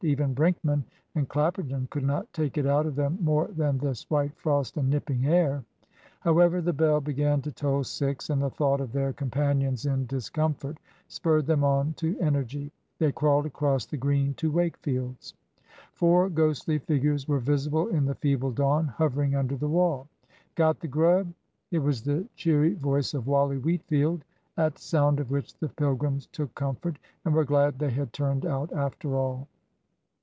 Even Brinkman and Clapperton could not take it out of them more than this white frost and nipping air. However, the bell began to toll six; and the thought of their companions in discomfort spurred them on to energy. They crawled across the Green to Wakefield's. Four ghostly figures were visible in the feeble dawn, hovering under the wall. "Got the grub?" It was the cheery voice of Wally Wheatfield, at sound of which the pilgrims took comfort, and were glad they had turned out after all.